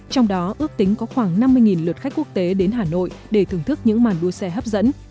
trong đó ước tính có khoảng năm mươi lượt khách quốc tế đến hà nội để thưởng thức những màn đua xe hấp dẫn